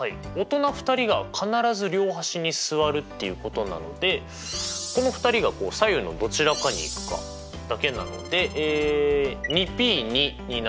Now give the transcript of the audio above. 大人２人が必ず両端に座るっていうことなのでこの２人がこう左右のどちらかに行くかだけなのではい。